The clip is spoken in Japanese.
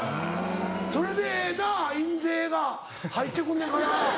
それでなぁ印税が入ってくんねんから。